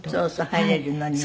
入れるのには。